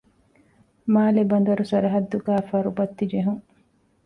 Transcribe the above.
މާލެ ބަނދަރު ސަރަހައްދުގައި ފަރުބައްތި ޖެހުން